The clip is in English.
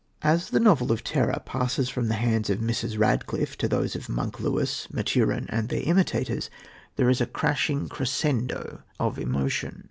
As the novel of terror passes from the hands of Mrs. Radcliffe to those of "Monk" Lewis, Maturin and their imitators, there is a crashing crescendo of emotion.